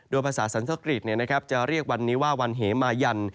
โดยภาษาสันทกฤษจะเรียกวันนี้ว่าวันเหมายัน